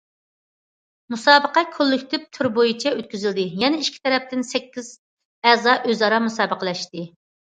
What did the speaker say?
مۇسابىقە كوللېكتىپ تۈر بويىچە ئۆتكۈزۈلدى، يەنى ئىككى تەرەپتىن سەككىز ئەزا ئۆزئارا مۇسابىقىلەشتى.